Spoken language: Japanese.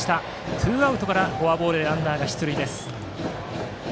ツーアウトからフォアボールでランナーが出塁です。